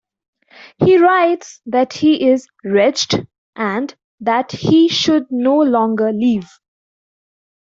He writes that he is wretched and that he should no longer live.